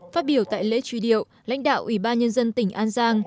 phát biểu tại lễ truy điệu lãnh đạo ủy ban nhân dân tỉnh an giang